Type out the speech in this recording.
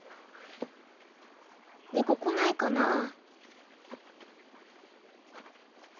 猫来ないかなぁ。